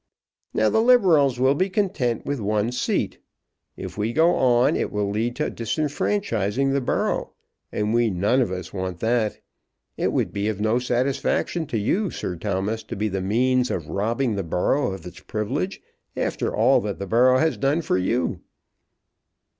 "Now the Liberals will be content with one seat. If we go on it will lead to disfranchising the borough, and we none of us want that. It would be no satisfaction to you, Sir Thomas, to be the means of robbing the borough of its privilege after all that the borough has done for you."